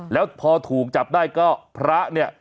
แล้วพอถูกจับได้ก็พระเนี่ย